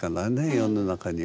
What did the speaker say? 世の中には。